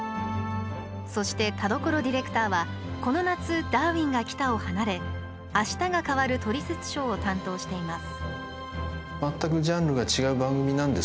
そして田所ディレクターはこの夏「ダーウィンが来た！」を離れ「あしたが変わるトリセツショー」を担当しています。